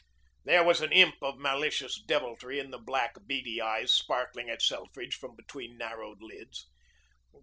There was an imp of malicious deviltry in the black, beady eyes sparkling at Selfridge from between narrowed lids.